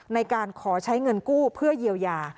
ในการขอใช้เงินกู้เพื่อเยียวยา